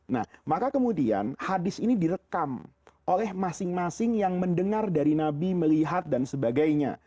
nah maka kemudian hadis ini direkam oleh masing masing yang mendengar dari nabi melihat dan sebagainya